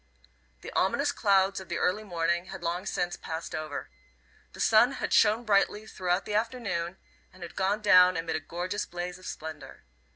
The ominous clouds of the early morning had long since passed over. The sun had shone brightly throughout the afternoon, and had gone down amid a gorgeous blaze of splendour.